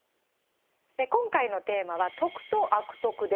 今回のテーマは「徳」と「悪徳」です。